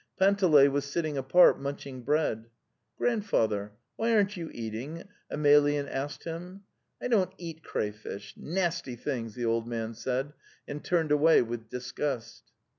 Panteley was sitting apart munching bread. "Grandfather, why aren't you eating?" Emel yan asked him. '"T don't eat crayfish. ... Nasty things," the old man said, and turned away with disgust.